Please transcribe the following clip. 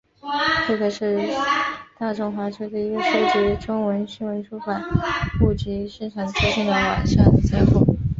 慧科是大中华区的一个收集中文新闻出版物及市场资讯的网上资料库。